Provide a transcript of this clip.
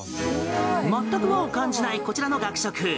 全く和を感じないこちらの学食。